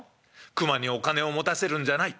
『熊にお金を持たせるんじゃない。